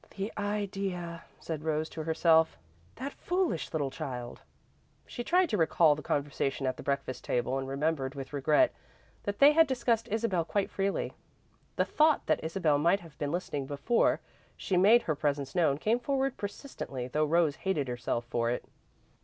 "The idea," said Rose to herself. "That foolish little child!" She tried to recall the conversation at the breakfast table, and remembered, with regret, that they had discussed Isabel quite freely. The thought that Isabel might have been listening before she made her presence known came forward persistently, though Rose hated herself for it.